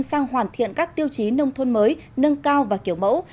sang hoàn thiện các tiêu chí nông thôn mới nâng cao và kiểu mẫu